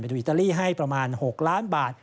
โดยอิตาลีให้ประมาณ๖ล้านบาท